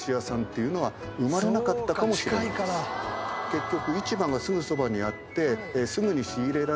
結局。